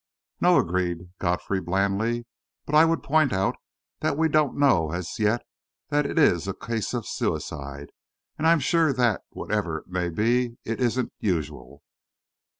"No," agreed Godfrey, blandly; "but I would point out that we don't know as yet that it is a case of suicide; and I'm quite sure that, whatever it may be, it isn't usual."